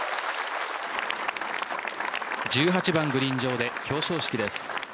１８番グリーン上で表彰式です。